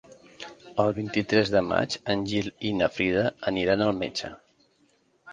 El vint-i-tres de maig en Gil i na Frida aniran al metge.